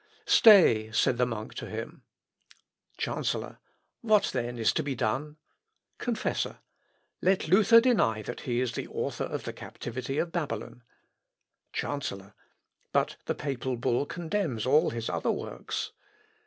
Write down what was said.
"Stay!" said the monk to him. Chancellor. "What then is to be done?" Confessor. "Let Luther deny that he is the author of the Captivity of Babylon." Chancellor. "But the papal bull condemns all his other works."